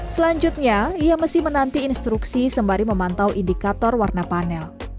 selanjutnya ia mesti menanti instruksi sembari memantau indikator warna panel